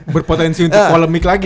berpotensi untuk polemik lagi